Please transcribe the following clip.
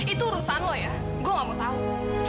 itu urusan lo ya gue gak mau tahu